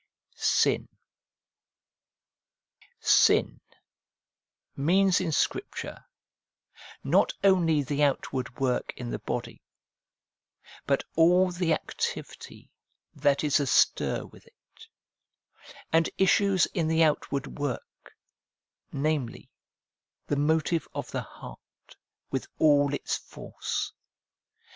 Sin. ' Sin ' means in Scripture, not only the outward work in the body, but all the activity that is astir with it, and issues in the outward work, namely, the motive of the heart, with all its force.